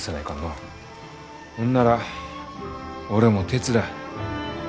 ほんなら俺も手伝う。